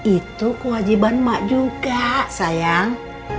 itu kewajiban mak juga sayang